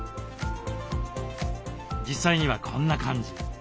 実際にはこんな感じ。